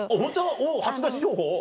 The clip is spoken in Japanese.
おっ初出し情報。